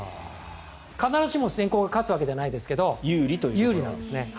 必ずしも先攻が勝つわけじゃないですが有利なんですね。